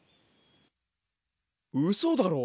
うそだろ！？